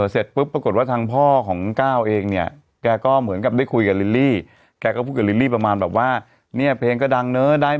อ๋อสุดท้ายก็ไม่ได้แบ่งด้วย